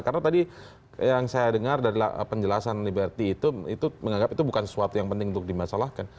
karena tadi yang saya dengar dari penjelasan liberty itu itu menganggap itu bukan sesuatu yang penting untuk dimasalahkan